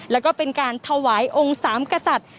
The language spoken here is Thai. แล้วก็เป็นการถวายองค์สามกษัตริย์